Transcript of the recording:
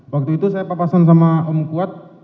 waktu itu saya papasan sama om kuat